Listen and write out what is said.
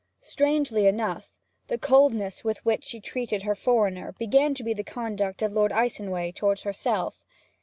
Strangely enough, the coldness with which she treated her foreigner began to be the conduct of Lord Icenway towards herself.